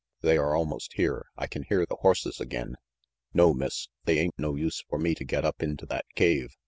They are almost here. I can hear the horses again." "No, Miss. They ain't no use for me to get up into that cave.